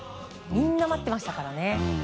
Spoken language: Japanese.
みんな待っていましたからね。